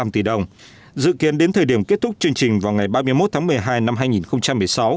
năm ba trăm chín mươi năm tỷ đồng dự kiến đến thời điểm kết thúc chương trình vào ngày ba mươi một tháng một mươi hai năm hai nghìn một mươi sáu